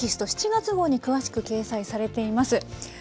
７月号に詳しく掲載されています。